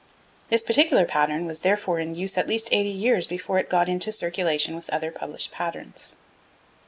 This particular pattern was, therefore, in use at least eighty years before it got into circulation with other published patterns.